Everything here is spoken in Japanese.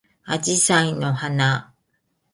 あじさいの花